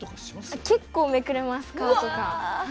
結構めくれます、皮とか。